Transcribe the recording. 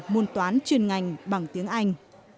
môn toán chuyên ngành bằng tiếng anh